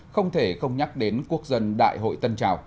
không thể không nhắc đến quốc dân đại hội tân trào